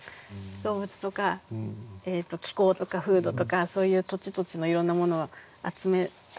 動物とか気候とか風土とかそういう土地土地のいろんなものを集めたら楽しいなと思って。